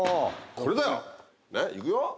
これだよ。いくよ？